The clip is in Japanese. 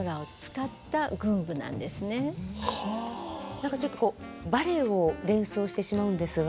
何かちょっとこうバレエを連想してしまうんですが。